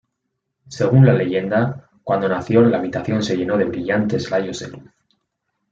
Según la leyenda, cuando nació la habitación se llenó de brillantes rayos de luz.